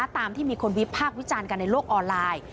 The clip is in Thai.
ตามที่มีคนวิพากษ์วิจารณ์กันในโลกออนไลน์